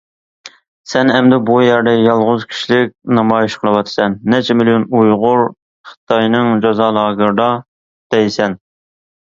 سەن ئەمدى بۇ يەردە يالغۇز كىشىلىك نامايىش قىلىۋاتىسەن، نەچچە مىليون ئۇيغۇر خىتاينىڭ جازا لاگېرلىرىدا دەيسەن.